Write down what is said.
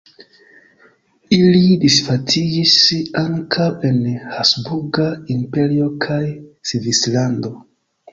Ili disvastiĝis ankaŭ en Habsburga Imperio kaj Svislando.